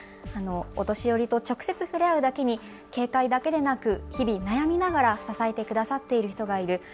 お年寄りと直接触れ合うだけに警戒だけでなく日々悩みながら支えてくださっている人がいる。